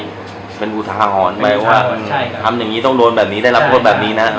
อเจมส์เป็นอุทาหอนแบบว่าทำอย่างนี้ต้องโดนแบบนี้ได้รับผลแบบนี้นะ